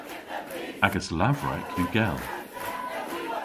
Agas lavrek yw gell.